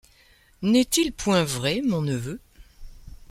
N'est-il point vrai, mon neveu ?